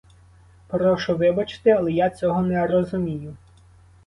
Прошу вибачити, але я цього не розумію.